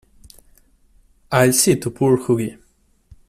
I'll see to poor Hughie.